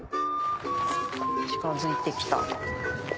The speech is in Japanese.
近づいてきた。